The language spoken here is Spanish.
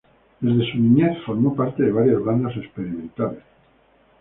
Desde su niñez formó parte de varias bandas experimentales.